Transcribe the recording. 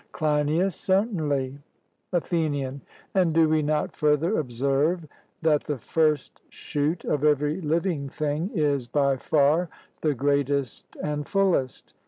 CLEINIAS: Certainly. ATHENIAN: And do we not further observe that the first shoot of every living thing is by far the greatest and fullest?